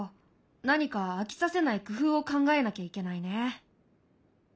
何か飽きさせない工夫を考えなきゃいけないね。